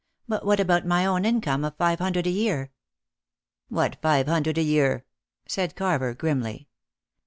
"But what about my own income of five hundred a year?" "What five hundred a year?" said Carver grimly.